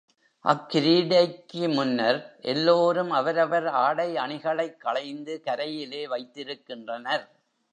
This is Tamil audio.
அக்கிரீடைக்கு முன்னர் எல்லோரும் அவரவர் ஆடை அணிகளைக் களைந்து கரையிலே வைத்திருக்கின்றனர்.